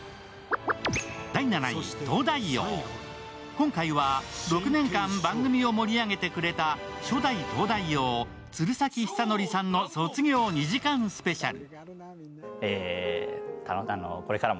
今回は６年間、番組を盛り上げてくれた初代東大王、鶴崎修功さんの卒業２時間スペシャル。